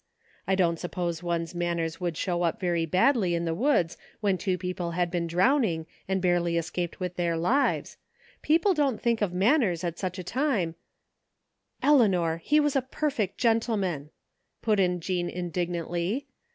I don't sup pose one's manners would show up very badly in the woods when two people had been drowning and barely escaped with their lives. People don't think of man ners at such a time "" Eleanor, he was a perfect gentleman," put in Jean indignantly.